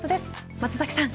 松崎さん